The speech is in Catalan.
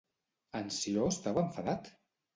En Ció estava enfadat?